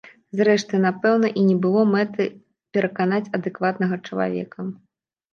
Зрэшты, напэўна, і не было мэты пераканаць адэкватнага чалавека.